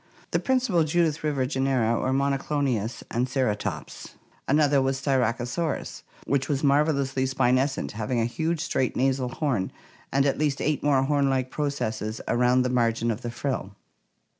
The prin cipal Judith River genera were Monodonius (Fig. 166, A) and Ceratops. Another was Styracosaurus (Fig. 166, B), which was marvelously spinescent, having a huge straight nasal horn and at least eight more horn like processes around the margin of the frill.